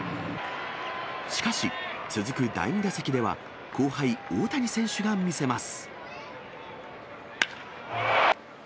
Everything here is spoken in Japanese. しかし、続く第２打席では、後輩、大谷選手が見せます。